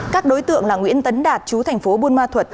các đối tượng là nguyễn tấn đạt chú tp buôn ma thuật